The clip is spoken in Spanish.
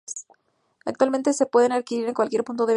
Actualmente se pueden adquirir en cualquier punto de venta.